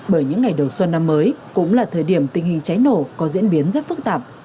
bởi những ngày đầu xuân năm mới cũng là thời điểm tình hình cháy nổ có diễn biến rất phức tạp